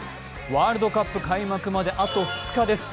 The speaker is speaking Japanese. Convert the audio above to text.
ワールドカップ開幕まであと２日です。